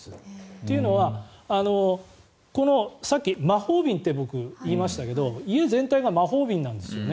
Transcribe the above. というのは、さっき魔法瓶って僕、言いましたけど家全体が魔法瓶なんですよね。